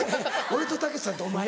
俺とたけしさんとお前。